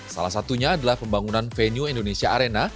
salah satunya adalah pembangunan venue indonesia arena